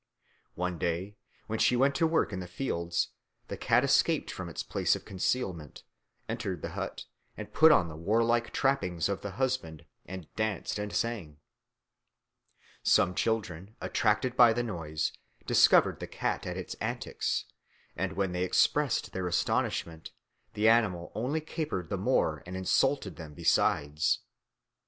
One day, when she went to work in the fields, the cat escaped from its place of concealment, entered the hut, put on the warlike trappings of the husband, and danced and sang. Some children, attracted by the noise, discovered the cat at its antics, and when they expressed their astonishment, the animal only capered the more and insulted them besides.